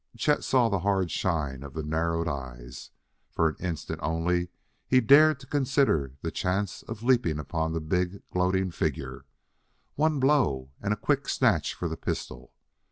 Chet saw the hard shine of the narrowed eyes. For an instant only, he dared to consider the chance of leaping upon the big, gloating figure. One blow and a quick snatch for the pistol!...